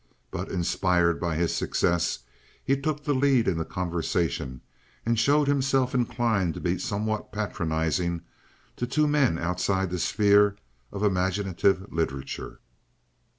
But, inspired by this success, he took the lead in the conversation, and showed himself inclined to be somewhat patronizing to two men outside the sphere of imaginative literature.